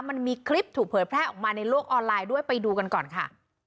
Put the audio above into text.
มันมีคลิปถูกเผยแพร่ออกมาในโลกออนไลน์ด้วยไปดูกันก่อนค่ะ